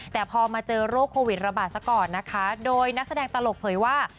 แต่พอมาเจอโรคโควิดระบาดซะก่อนนะคะโดยนักแสดงตลกเผยว่า